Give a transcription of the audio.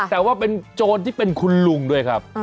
แต่ว่าเป็นโจรที่เป็นคุณลุงด้วยครับ